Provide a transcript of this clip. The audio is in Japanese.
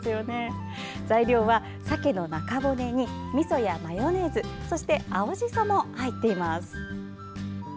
材料は、さけの中骨にみそやマヨネーズそして青じそも入っています。